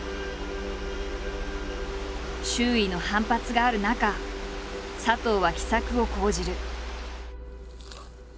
周囲の反発がある中佐藤は奇策を講じる。